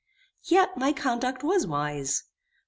Yet my conduct was wise.